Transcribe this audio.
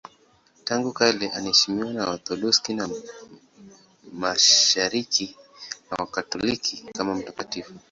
Tangu kale anaheshimiwa na Waorthodoksi wa Mashariki na Wakatoliki kama mtakatifu.